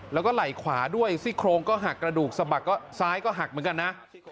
แล้วก็ไหล่ขวาด้วยซี่โครงก็หักกระดูกสะบักก็ซ้ายก็หักเหมือนกันนะ